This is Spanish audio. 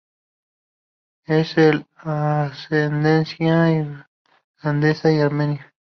Es de ascendencia irlandesa y armenia.